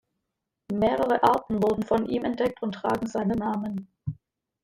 Mehrere Arten wurden von ihm entdeckt und tragen seinen Namen.